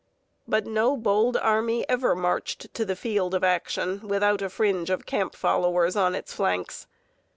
But no bold army ever marched to the field of action without a fringe of camp followers on its flanks.